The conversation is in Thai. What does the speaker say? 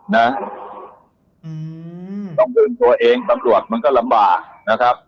น้องคืนตัวเองสัมรวจมันก็ลำบาก